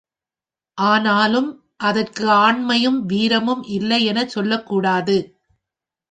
ஆனாலும் அதற்கு ஆண்மையும், வீரமும் இல்லை எனச் சொல்லக் கூடாது.